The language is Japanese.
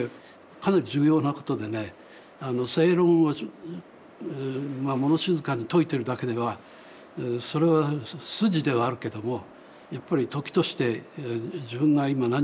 かなり重要なことでね正論を物静かに説いてるだけではそれは筋ではあるけどもやっぱり時として自分が今何を感じてるのか